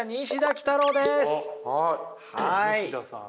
西田さん。